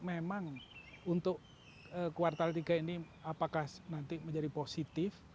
memang untuk kuartal tiga ini apakah nanti menjadi positif